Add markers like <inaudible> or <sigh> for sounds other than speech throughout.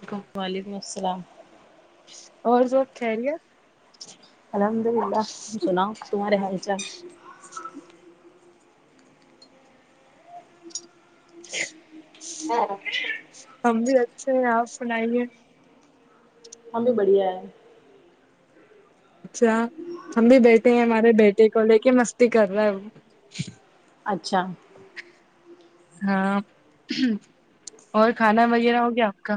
دیکھو وعلیکم السلام اور سب خیریت الحمد اللہ تم سناؤ تمہارے حال چال ہم بھی اچھے ہیں آپ سنائیے ہم بھی بڑھیا ہے اچھا ہم بھی بیٹھے ہیں ہمارے بیٹے کو لے کے مستی کر رہا ہے وہ اچھا <inaudible> ہاں اور کھانا وغیرہ ہو گیا آپ کا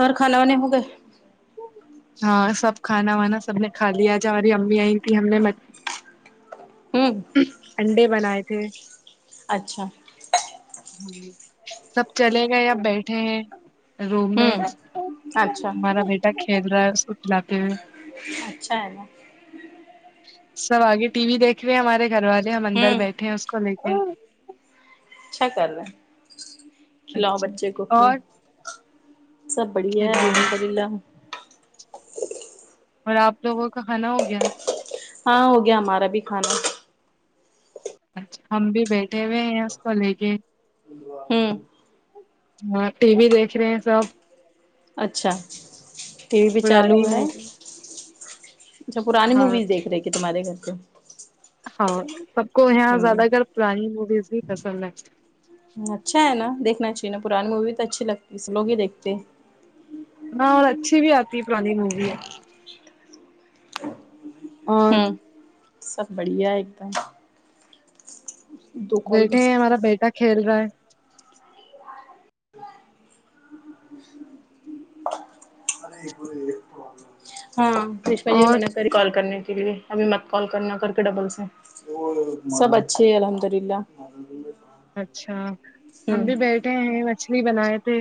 اور کھانے وانے ہوگئے ہاں سب کھانا وانا سب نے کھا لیا آج ہماری امی آئی تھیں ہم نے ہوں انڈے بنائے تھے اچھا ہاں سب چلے گئے یا بیٹھے ہیں روم میں ہوں اچھا ہمارا بیٹا کھیل رہا ہے اس کو کھلاتے ہوئے اچھا ہے ناں سب آگے ٹی وی دیکھ رہے ہمارے گھر والے ہم اندر ہوں بیٹھے ہیں اس کو لے کے اچھا کر رہے کھلاؤ اچھا بچے کو اپنے اور سب بڑھیا ہے کھیلا رہے ہیں۔ الحمدللہ اور آپ لوگوں کا کھانا ہوگیا ہاں ہوگیا ہمارا بھی کھانا اچھا ہم بھی بیٹھے ہوئے ہیں اس کو لے کے ہاں ٹی وی دیکھ رہے ہیں سب اچھا ٹی وی بھی چالو پرانی ہوا ہے مووی اچھا پرانی ہاں مویزیک رہے ہیں کیا تمہارے گھر پہ ہاں سب کو یہاں ہوں زیادہ کر پرانی موویز بھی پسند ہے اچھا ہے ناں دیکھنا چاہیے ناں پرانی مووی تو اچھی لگتی ہم لوگ بھی دیکھتے ہاں اور اچھی بھی آتی ہے پرانی مووی ہے اور ہوں سب بڑھیا ایک دم دو کال بیٹھے ویسٹ ہیں ہوئی۔ ہمارا بیٹا کھیل رہا ہے ہاں کشما جی نے اور منع کری کال کرنے کے لیے ابھی مت کال کرنا کرکے ڈبل سے سب اچھے ہے الحمد للہ اچھا ہم ہوں بھی بیٹھے ہیں مچھلی بنائے تھے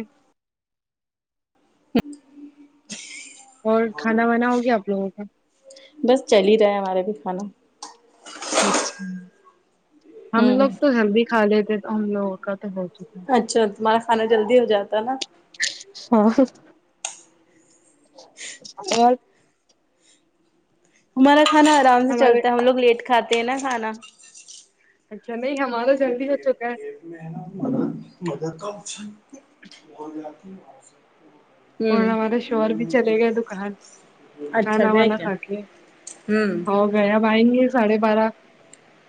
<unintelligible> اور کھانا وانا ہو گیا آپ لوگوں کا بس چل ہی رہا ہے ہمارے بھی کھانا اچھا ہم ہوں لوگ تو ہیلدی کھالیتے تو ہم لوگوں کا تو ہوت اچھا تمہارا کھانا جلدی ہوجاتا ہے ناں ہاں اور ہمارا کھانا آرام سے ہمارے چلتا ہے ہم لوگ لیٹ کھاتے ہیں ناں کھانا اچھا نہیں ہمارا جلدی ہوچکا ہے <unintelligible> اور ہوں ہمارے شوہر بھی چلے گئے دکان اچھا کھانا گئے وانا کیا کھا کے ہوں ہو گیا اب آئیں گے ساڑھے بارہ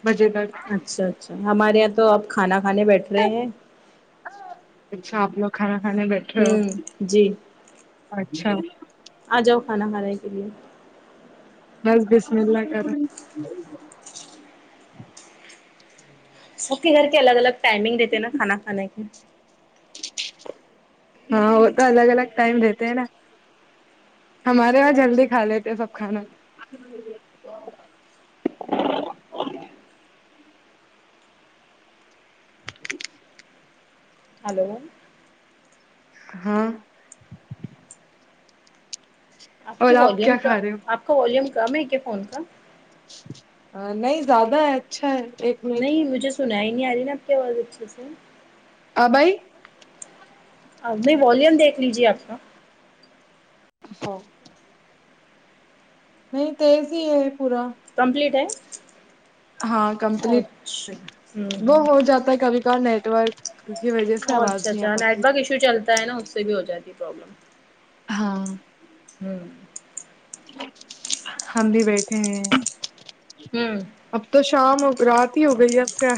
بجے تک اچھا اچھا ہمارے یہاں تو اپ کھانا کھانے بیٹھ رہے ہیں اچھا آپ لوگ کھانا کھانے بیٹھے ہو ہوں جی اچھا آ جاؤ کھانا کھانے کے لیے بس بسم اللہ کرے سب کے گھر کے الگ الگ ٹائمنگ دیتے ہیں نا کھانا کھانے کے ہاں وہ تو الگ الگ ٹائم دیتے ہیں نا ہمارے وہاں جلدی کھا لیتے سب کھانا <inaudible> ج ہلو ہاں آپ اور کی کیا والیوم کا کھا رہے آپ کا والیوم کم ہے کیا فون کا نہیں زیادہ ہے اچھا ہے ایک منٹ نہیں مجھے سنا ہی نہیں آ رہی نا آپ کے آواز اچھے سے اب ائی نہیں والیوم دیکھ لیجیے آپ کا <inaudible> نہیں تیز ہی ہے پورا کمپلیٹ ہے ہاں کمپلیٹ اچھا ہوں وہ ہوں ہو جاتا ہے کبھی کا نیٹ ورک کی وجہ سے آواز نہیں آ پاتی جو چلتا ہے نا اس سے بھی ہو جاتی ہے پرابلم ہاں ہوں ہم بھی بیٹھے ہیں ہوں اب تو شام ہو رات ہی ہو گئی ہے اب کیا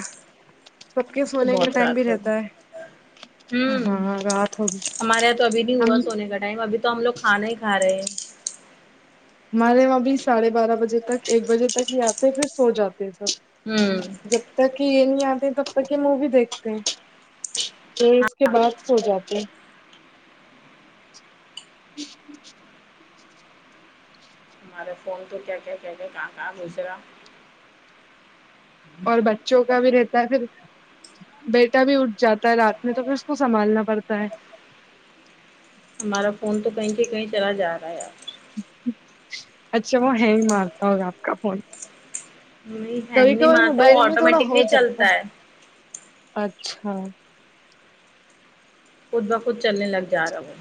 سب کے اب تو سونے کا بہت ٹائم بھی رات ہوگئی رہتا ہے ہوں ہاں رات ہوگی ہمارے یہاں تو ابھی نہیں ہم ہوا سونے کا ٹائم ابھی تو ہم لوگ کھانا ہی کھا رہے ہیں ہمارے وہاں بھی ساڑھے بارہ بجے تک ایک بجے تک ہی آتے پھر سو جاتے ہیں سب ہوں جب تک یہ نہیں آتے تب تک کے مووی دیکھتے ہیں پھر ہاں اس کے بعد سو جاتے ہمارا فون تو کیا کیا کیا کیا کہاں کہاں گسرا بچوں کا بھی رہتا ہے پھر بیٹا بھی اٹھ جاتا ہے رات میں تو پھر اس کو سنبھالنا پڑتا ہے ہمارا فون تو کہیں کے کہیں چلا جا رہا ہے اچھا وہ ہے ہی مارتا ہوگا آپ کا فون نہیں کبھی ہینگ نہیں کبھار مارتا وہ موبائل میں تھوڑا ہو آٹومیٹکلی جاتا ہے چلتا اچھا خود بخود چلنے لگ جا رہا وہ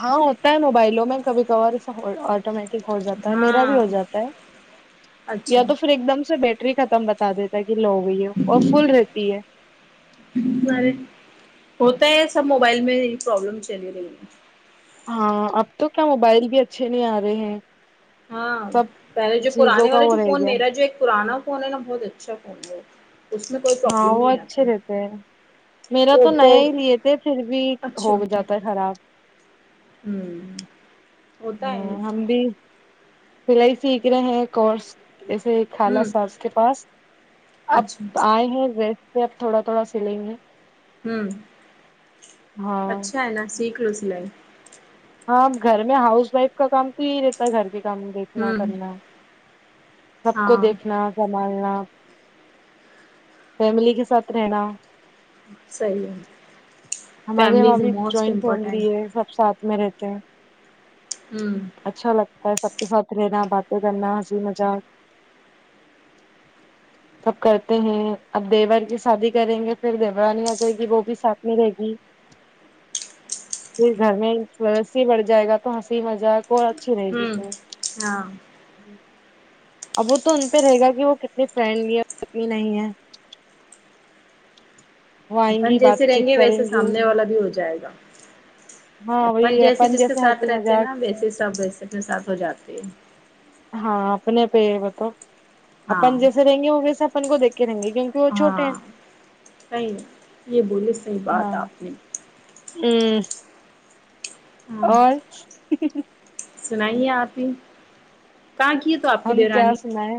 ہاں ہوتا ہے موبائلوں میں کبھی کبھار ایسا ہولڈ آٹو مٹک ہو جاتا ہے میرا بھی ہاں ہو جاتا ہے یا اچھا تو پھر ایک دم سے بیٹری ختم بتا دیتا ہے کہ لو گئی ہے اور فل رہتی ہے ارے ہوتا ہے سب موبائل میں یہ پرابلم چلی رہی ہے ہاں اب تو کیا موبائل بھی اچھے نہیں آ رہے ہیں ہاں سب پہلے جو چیزوں پرانے کا والا وہ جو رہ فون گیا میرا جو ایک پرانا فون ہے نا بہت اچھا فون ہے اس میں کوئی ہاں پرابلم وہ نہیں آتی اچھے رہتے ہیں میرا تو اوپو نیا ہی لیے تھے پھر بھی اچھا ہوگ جاتا خراب ہوں ہوتا ہے ہ ایسا ہم بھی سلائی سیکھ رہے ہیں کورس ایسے خالہ ہوں ساس کے پاس اب اچھا آئے ہیں ریس پہ اب تھوڑا تھوڑا سلیں گے ہوں ہاں اچھا ہے نا سیکھلو سلائی ہاں اب گھر میں ہاؤس وائف کا کام تو ہی رہتا ہے گھر کے کام نا ہوں کرنا سب کو ہاں دیکھنا سنبھالنا فیملی کے ساتھ رہنا صحیح ہے ہمارے فیملی وہاں از بھی موسٹ جوائنٹ فیملی امپورٹینٹ ہے سب ساتھ میں رہتے ہیں ہوں اچھا لگتا ہے سب کے ساتھ رہنا باتیں کرنا ہنسی مذاق سب کرتے ہیں اب دیور کی شادی کریں گے پھر دیورانی آ جائے گی وہ بھی ساتھ میں رہے گی <inaudible> پھر گھر میں سسیی بڑھ جائے گا تو ہنسی مذاق کو اور اچھی رہے گی ہوں ہاں اب وہ تو ان پہ رہے گا کہ وہ کتنی فرینڈلی ہے کتنی نہیں ہے وہ آئیں اپن گی بات جیسے رہیں چیت گے کریں ویسے گے سامنے والا بھی ہو جائے گا ہاں اپن وہی ہے جیسے جس کے ساتھ ہنسی رہتے ہیں نا مذاق ویسے سب ویسے اپنے ساتھ ہو جاتے ہیں ہاں اپنے پے ہے وہ تو ہاں اپن جیسے رہیں گے وہ ویسے اپن کو دیکھ کے رہیں گے کیوں ہاں صحیح یہ بولے صحیح بات آپ نے ہوں ہاں اور سنائیے آپ ہی کہ کی تو آپ کی ہم کیا دیورانی سنائے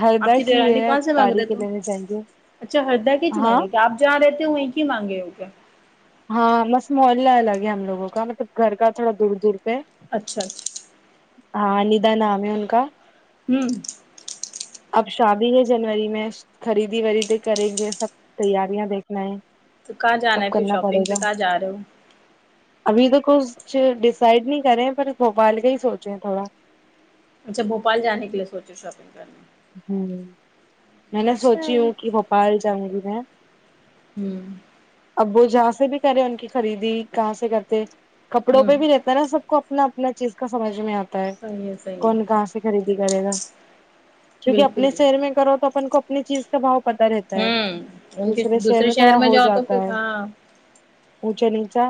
ہردا آپ کی دیرانی ہے کہاں سے مانگ تاری رہے کے تو لینے چاہیے اچھا ہردا کیچ ہاں مانگے کیا آپ جاں رہتے وہیں کی مانگے ہو گے ہاں بس محلہ الگ ہے ہم لوگوں کا مطلب گھر کا تھوڑا دور دور پہ اچھا اچھا ہاں ندا نام ہے انکا ہوں اب شادی ہے جنوری میں خریدی وریدی کریں گے سب تیاریاں دیکھنا ہے تو کہاں جانا ہے سب پھر کرنا شاپنگ پڑے پہ گا کہاں جا رہے ہو ابھی تو کچھ ڈیسائڈ نہیں کرے پر بھوپال کا ہی سوچے تھوڑا اچھا بھوپال جانے کے لیے سوچے شاپنگ کرنے ہوں میں نے اچھا ہے سوچی ہوں کہ بھوپال جاؤں گی میں ہوں اب وہ جہاں سے بھی کرے ان کی خریدی کہاں سے کرتے کپڑوں پہ ہوں بھی رہتے ذرا سب کو اپنا اپنا چیز کا سمجھ میں آتا صحیح ہے صحیح کون ہے کہاں سے خریدی کرے گا کیونکہ بالکل اپنے بھی شہر میں کرو تو اپن کو اپنی چیز کا بھاؤ پتہ رہتا ہے ہوں ان کے دوسرے شہر میں تھوڑا ہو جاؤ تو جاتا پھر ہے ہاں اونچا نیچا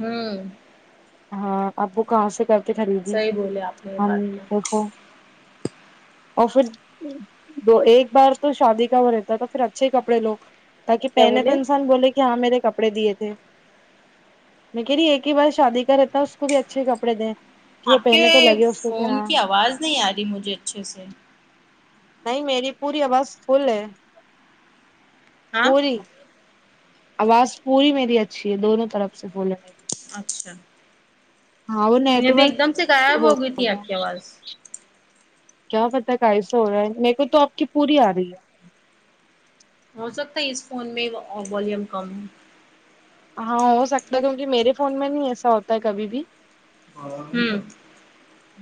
ہوں ہاں اب وہ کہاں سے کرتے خریدی صحیح بولے آپ نے یہ ہم بات تو دیکھو اور پھر دو ایک بار تو شادی کا وہ رہتا ہے تو پھر اچھے ہی کپڑے لو تاکہ کیا پہنے تو بولے انسان بولے کہ جہاں میرے کپڑے دیے تھے میں کہی ایک ہی بار شادی کا رہتا اس کو بھی اچھے کپڑے دیں کہ وہ آپ کے پہنے تو لگے اس کو کہ فون ہاں کی آواز نہیں آ رہی مجھے اچھے سے نہیں میری پوری آواز فل ہے ہاں پوری آواز پوری میری اچھی ہے دونوں طرف سے بھولیں میری اچھا ہاں وہ میں نیٹ ابھی ورک ایک دم سے غائب ہو گئی تھی آپ کی آواز کیا پتا کا ایسا ہو رہا ہے میرے کو تو آپ کی پوری آ رہی ہے ہو سکتا ہے اس فون میں والیوم کم ہو ہاں ہو سکتا ہے کیونکہ میرے فون میں نہیں ایسا ہوتا ہے کبھی بھی ہمم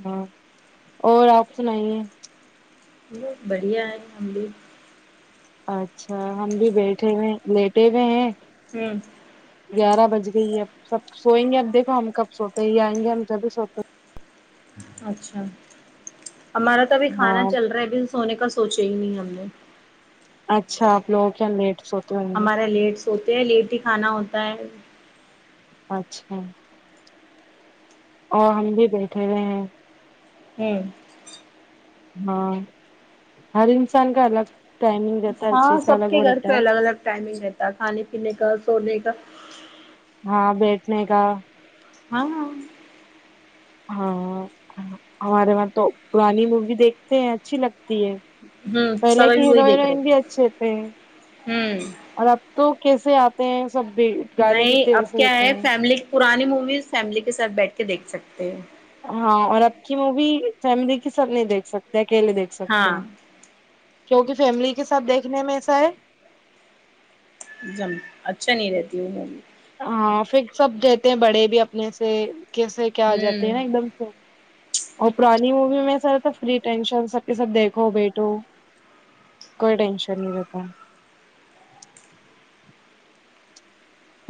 ہاں اور آپ سنائیے بڑھیا ہے ہم بھی اچھا ہم بھی بیٹھے ہوئے لیٹے ہوئے ہیں ہوں گیارہ بج گئی ہے اب سب سوئیں گے اب دیکھو ہم کب سوتے یہ آئیں گے ہم جب بھی سوتے اچھا ہمارا تو ابھی ہیں۔ کھانا ہاں چل رہا ہے ابھی سونے کا سوچے ہی نہیں ہم نے اچھا آپ لوگوں کیا لیٹ سوتے رہیں گے ہمارا لیٹ سوتے ہیں لیٹ ہی کھانا ہوتا ہے اچھا اور ہم بھی بیٹھے ہوئے ہیں ہوں ہاں ہر انسان کا الگ ٹائمنگ رہتا ہے ہر ہاں چیز کا سب الگ کے وہ گھر پہ رہتا ہے الگ الگ ٹائمنگ رہتا ہے کھانے پینے کا سونے کا ہاں بیٹھنے کا ہاں ہاں ہاں ہمارے وہاں تو پرانی مووی دیکھتے ہیں اچھی لگتی ہے سب پہلے کہ ابھی وہی ہیرو دیکھ رہے ہیروئن بھی اچھے تھے ہوں اور اب تو کیسے آتے ہیں سب بی گانے نہیں کتنے اب ویسے کیا دیتے ہے ہیں فیملی پرانی مویز فیملی کے ساتھ بیٹھ کے دیکھ سکتے ہیں ہاں اور آب کی مووی فیملی کے ساتھ نہیں دیکھ سکتے اکیلے دیکھ سکتے ہاں ہیں کیونکہ فیملی کے ساتھ دیکھنے میں ایسا ہے جم اچھا نہیں رہتی میں ہاں پھر سب رہتے ہیں بڑے بھی اپنے سے کیسے کیا آ جاتے ہیں ہوں نا ایک دم اور پرانی مووی میں سر تو فری ٹینشن سب کے سب دیکھو بیٹھو کوئی ٹینشن نہیں رہتا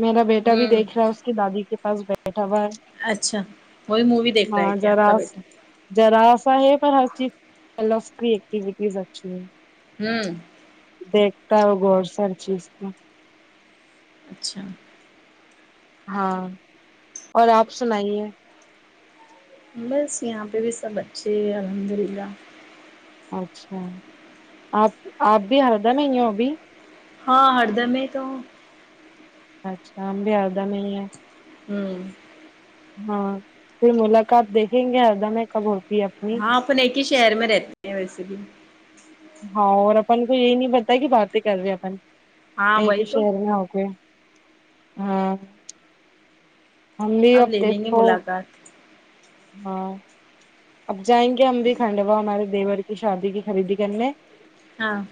میرا بیٹا بھی ہوں دیکھ رہا ہے اس کے دادی کے پاس بیٹھا ہوا ہے اچھا وہی مووی دیکھ رہے ہے ہاں کیا آپ ذرا کا بیٹا ذرا سا ہے پر ہر چیز اکیٹیوٹیز اچھی ہے ہوں دیکھتا ہو گ اور سر چیز تو اچھا ہاں اور آپ سنائیے بس یہاں پہ بھی سب اچھے الحمد للہ اچھا آپ آپ بھی ہردا میں ہو ابھی ہاں ہردمیں تو ہوں اچھا ہم بھی آردہ نہیں ہیں ہم ہاں پھر ملاقات دیکھیں گے اردم کب ہے اپنی ہاں اپن ایک ہی شہر میں رہتے ہیں ویسے بھی ہاں اور اپن کو یہی نہیں پتا کہ باتیں کر رہے اپن ہاں ایک وہی ہی تو شہر میں ہو کے ہاں ہم بھی اب لے لیں گے دیکھو ملاقات ہاں اب جائیں گے ہم بھی کھنڈ و ہمارے دیور کی شادی کی خریدی کرنے ہاں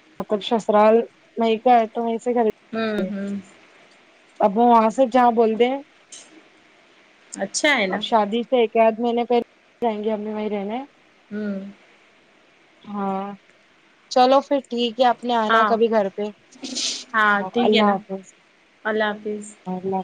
<inaudible> سسرال مائکا ہے تو وہیں سے خرید ہوں ہوں ابو وہاں سے جا بولتے اچھا ہے نا اب شادی سے ایک آدھ مہینے پہلے جائیں گے امی وہیں رہنے ہوں ہاں چلو پھر ٹھیک ہے اپ نے آنا ہاں کبھی گھر پہ ہاں ٹھیک ہے اللہ نا حافظ اللہ حافظ <unintelligible> اور ل